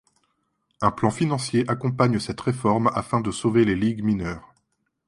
Un plan financier accompagne cette réforme afin de sauver les Ligues mineures.